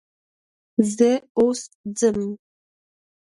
زه اوس ځم .